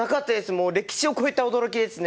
もう歴史を超えた驚きですね。